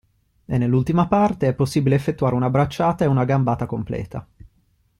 E nell'ultima parte è possibile effettuare una bracciata ed una gambata completa.